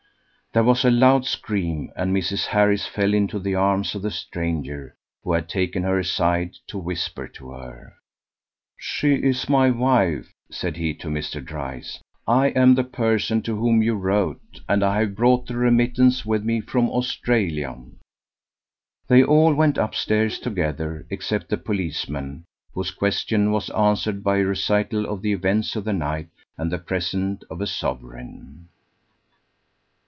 There was a loud scream, and Mrs. Harris fell into the arms of the stranger, who had taken her aside to whisper to her. "She is my wife," said he to Mr. Dryce. "I am the person to whom you wrote, and I have brought the remittance with me from Australia." They all went upstairs together, except the policeman, whose question was answered by a recital of the events of the night, and the present of a sovereign.